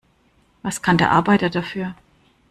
Was kann der Arbeiter dafür?